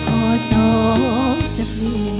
พอสอบ